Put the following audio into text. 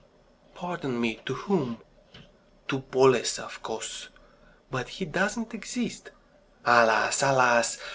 "Pardon me to whom?" "To Boles, of course." "But he doesn't exist." "Alas! alas!